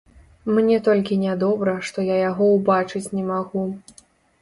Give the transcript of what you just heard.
Мне толькі нядобра, што я яго ўбачыць не магу.